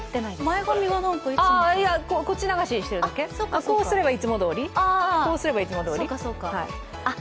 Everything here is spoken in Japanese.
前髪がなんかいつもとこっち流しにしてるだけこうすればいつもどおり。